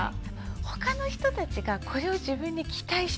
他の人たちがこれを自分に期待してる